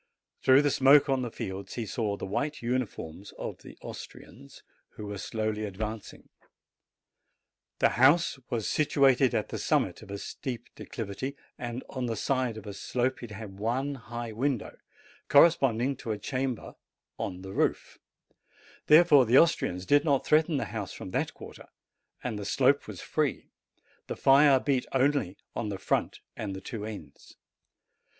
Through the smoke on the fields he saw the white uniforms of the Austrians, who THE SARDINIAN DRUMMER BOY 99 were slowly advancing. The house was situated at the summit of a steep declivity, and on the side of the slope it had but one high window, corresponding to a chamber of the roof : therefore the Austrians did not threaten the house from that quarter, and the slope was free ; the fire beat only upon the front and the two ends.